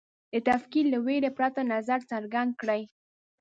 د تکفیر له وېرې پرته نظر څرګند کړي